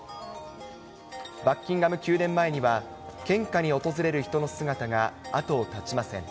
バッキンガム宮殿前には、献花に訪れる人の姿が後を絶ちません。